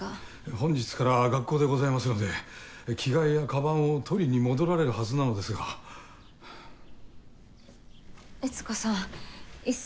本日から学校でございますので着替えやカバンを取りに戻られるはずなのですが悦子さん壱成